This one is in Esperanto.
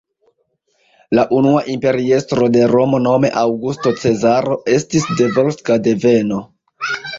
La unua imperiestro de Romo nome Aŭgusto Cezaro estis de volska deveno.